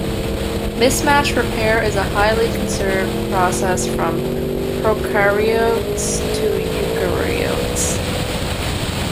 Mismatch repair is a highly conserved process from prokaryotes to eukaryotes.